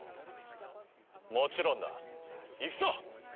もちろんだ。いくぞ！